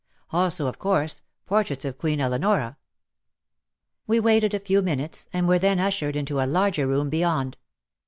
Also, of course, portraits of Queen Eleonora We waited a few minutes and were then ushered into a larger room beyond.